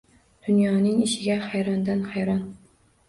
Dunyoning ishiga hayrondan hayron